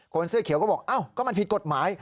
เสื้อเขียวก็บอกอ้าวก็มันผิดกฎหมาย